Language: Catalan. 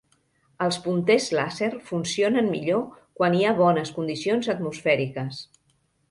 Els punters làser funcionen millor quan hi ha bones condicions atmosfèriques.